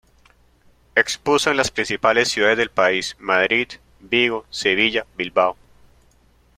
Expuso en las principales ciudades del país: Madrid, Vigo, Sevilla, Bilbao.